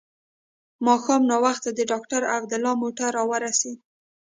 ماښام ناوخته د ډاکټر عبدالله موټر راورسېد.